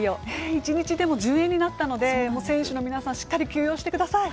１日順延になったので、選手の皆さん、しっかり休養してください。